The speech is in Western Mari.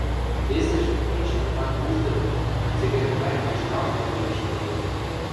весӹжӹ — эче нимат уждымы, цӹгӓк гань вычымактыл ӹлӹшӹ эдем...